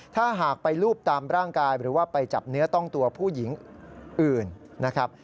ถ้าหากไปรูปตามร่างกายหรือว่าไปจับเนื้อต้องตัวผู้หญิงอื่นนะครับ